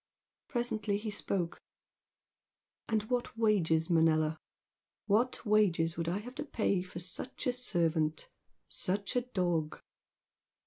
Presently he spoke. "And what wages, Manella? What wages should I have to pay for such a servant? such a dog?"